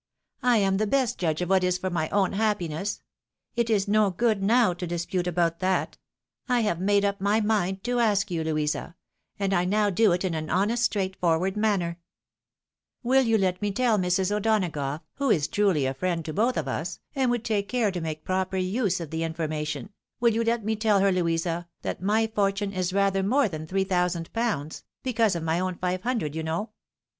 I am the best judge of what is for my own happiness. It is no good now, to dispute that — I have made up my mind to ask you, Louisa, and I now do it in an honest, straightforward manner. 8 2 « 292 THE WIDOW MAERIED. Will you let me tell Mrs. O'Donagough, who is truly a friend to both of us, and would take caxe to make proper use of the information, will you let me tell her, Louisa, that my fortune is rather more than three thousand pounds — ^because of my own five hundred, you know